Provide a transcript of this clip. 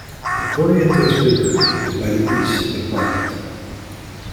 The Corrientes River is by the east of the department.